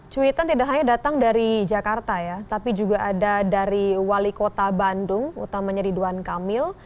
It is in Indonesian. cuitan tidak hanya datang dari jakarta ya tapi juga ada dari wali kota bandung utamanya ridwan kamil